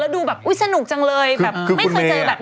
แล้วดูแบบอุ๊ยสนุกจังเลยแบบไม่เคยเจอแบบนี้มาก่อน